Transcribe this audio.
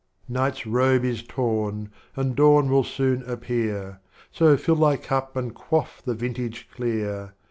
XII. Night's Robe is torn, and Dawn will soon appear, So fill Thy Cup and quaff the Vintage clear.